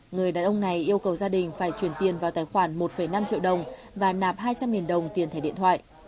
người đàn ông này yêu cầu gia đình phải chuyển tiền vào tài khoản một năm triệu đồng và nạp hai trăm linh đồng tiền thẻ điện thoại